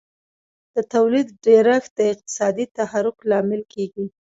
د تولید ډېرښت د اقتصادي تحرک لامل کیږي.